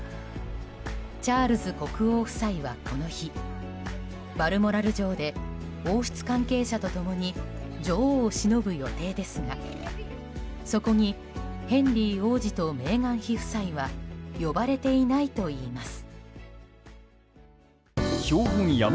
チャールズ国王夫妻はこの日、バルモラル城で王室関係者と共に女王をしのぶ予定ですがそこに、ヘンリー王子とメーガン妃夫妻は呼ばれていないといいます。